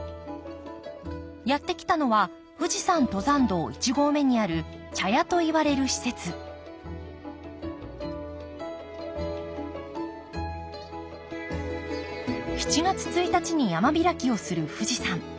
やって来たのは富士山登山道一合目にある茶屋といわれる施設７月１日に山開きをする富士山。